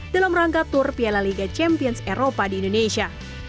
dalam rangka tur piala liga champions eropa di indonesia